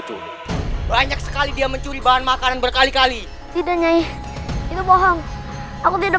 itu banyak sekali dia mencuri bahan makanan berkali kali tidak nyanyi itu bohong aku tidak